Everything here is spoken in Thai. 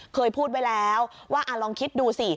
เคยพูดไว้แล้วว่าลองคิดดูสิ